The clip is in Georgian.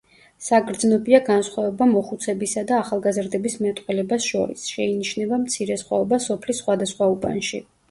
საგრძნობია განსხვავება მოხუცებისა და ახალგაზრდების მეტყველებას შორის, შეინიშნება მცირე სხვაობა სოფლის სხვადასხვა უბანში.